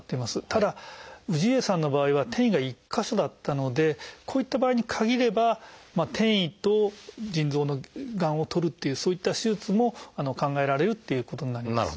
ただ氏家さんの場合は転移が１か所だったのでこういった場合に限れば転移と腎臓のがんをとるっていうそういった手術も考えられるっていうことになります。